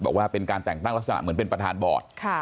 บอกว่าเป็นการแต่งตั้งลักษณะเหมือนเป็นประธานบอร์ด